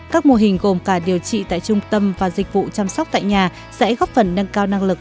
các mô hình gồm cả điều trị tại trung tâm và dịch vụ chăm sóc tại nhà sẽ góp phần nâng cao năng lực